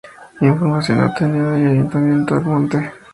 Información obtenida del Ayuntamiento de Almonte.